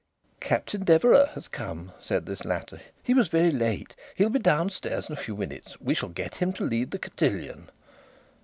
"Captain Deverax has come," said this latter. "He was very late. He'll be downstairs in a few minutes. We shall get him to lead the cotillon."